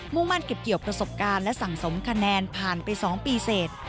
่งมั่นเก็บเกี่ยวประสบการณ์และสั่งสมคะแนนผ่านไป๒ปีเสร็จ